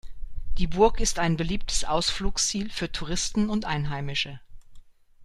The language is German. Die Burg ist ein beliebtes Ausflugsziel für Touristen und Einheimische.